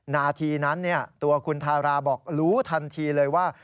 นาทีนั้นตัวคุณทาราบอกรู้ทันทีเลยว่า